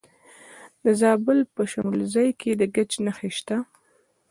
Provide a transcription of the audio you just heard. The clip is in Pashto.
د زابل په شمولزای کې د ګچ نښې شته.